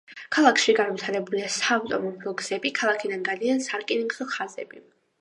ქალაქში განვითარებულია საავტომობილო გზები, ქალაქიდან გადიან სარკინიგზო ხაზები.